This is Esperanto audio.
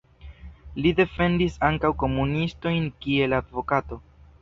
Li defendis ankaŭ komunistojn kiel advokato.